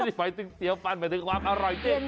ไม่ได้ไปตึกเตี๋ยวฟันไปตึกความอร่อยเต้น